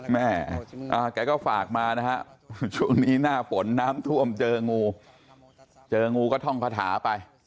แม่แกก็ฝากมานะฮะช่วงนี้หน้าฝนน้ำท่วมเจองูเจองูก็ท่องคาถาไป